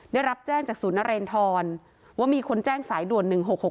ได้รับแจ้งจากศูนย์นเรนทรว่ามีคนแจ้งสายด่วน๑๖๖